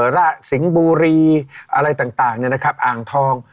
ระสิงบุรีอะไรต่างเนี่ยนะครับอางทอง